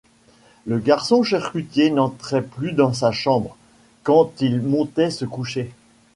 Le garçon charcutier n’entrait plus dans sa chambre, quand il montait se coucher.